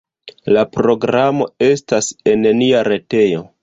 La programo estas en nia retejo.